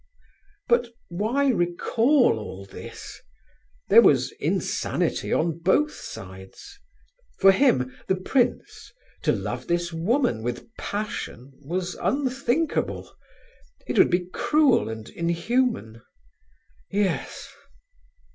But why recall all this? There was insanity on both sides. For him, the prince, to love this woman with passion, was unthinkable. It would be cruel and inhuman. Yes.